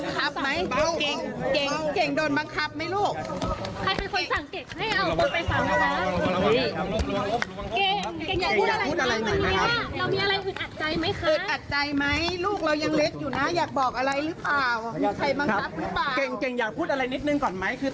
เก่งมีอะไรอยากพูดไหม